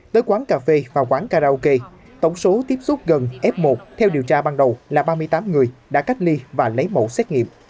tới quán cà phê và quán karaoke tổng số tiếp xúc gần f một theo điều tra ban đầu là ba mươi tám người đã cách ly và lấy mẫu xét nghiệm